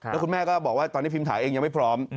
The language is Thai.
แล้วคุณแม่ก็บอกว่าตอนนี้พิมถาเองยังไม่พร้อม